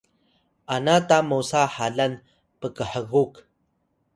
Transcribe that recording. ana ta mosa halan pkhgup